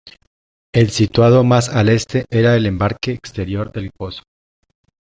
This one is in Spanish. El situado más al este era el embarque exterior del pozo.